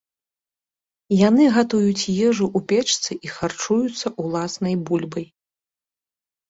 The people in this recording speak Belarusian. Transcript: Яны гатуюць ежу ў печцы і харчуюцца ўласнай бульбай.